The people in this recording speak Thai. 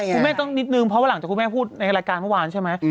คุณแม่ต้องนิดนึงเพราะว่าหลังจากคุณแม่พูดในรายการเมื่อวานใช่ไหม